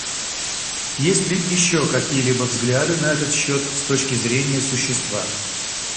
Есть ли еще какие-либо взгляды на этот счет с точки зрения существа?